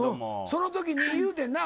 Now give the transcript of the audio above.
そのときに言うてんな。